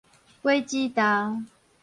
果子豆